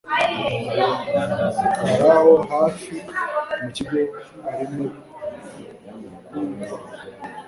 karaho hafi mukigo barimo kunkwa